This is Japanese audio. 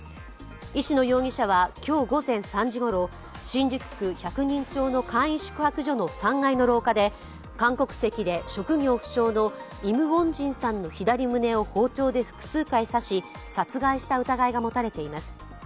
石野容疑者は今日午前３時ごろ、新宿区百人町の簡易宿泊所の３階の廊下で、韓国籍で職業不詳のイム・ウォジンさんの左胸を包丁で複数回刺し、殺害した疑いが持たれています。